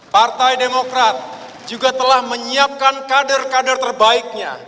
partai demokrat juga telah menyiapkan kader kader terbaiknya